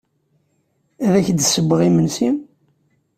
Ad ak-d-ssewweɣ imensi?